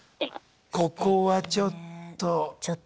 ここはちょっと。